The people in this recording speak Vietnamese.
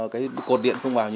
cái cột điện không vào